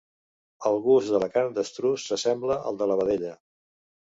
El gust de la carn d'estruç s'assembla al de la vedella.